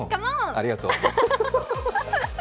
ありがとう。